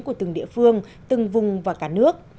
của từng địa phương từng vùng và cả nước